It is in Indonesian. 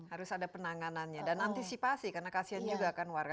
harus ada penanganannya dan antisipasi karena kasian juga kan warga